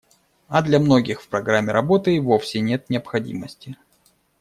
А для многих в программе работы и вовсе нет необходимости.